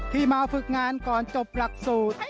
ที่มาฝึกงานก่อนจบหลักสูตร